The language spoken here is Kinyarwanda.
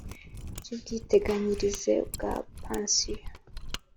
ry ubwiteganyirize bwa pansiyo